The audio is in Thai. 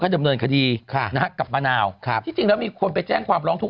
ให้ดำเนินคดีกับมะนาวที่จริงแล้วมีคนไปแจ้งความร้องทุกข์